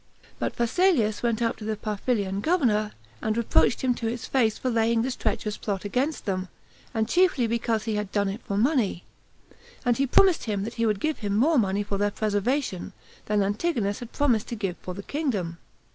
But Phasaelus went up to the Parfilian governor, and reproached him to his face for laying this treacherous plot against them, and chiefly because he had done it for money; and he promised him that he would give him more money for their preservation, than Antigonus had promised to give for the kingdom.